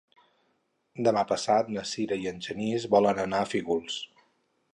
Demà passat na Sira i en Genís volen anar a Fígols.